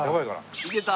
いけた！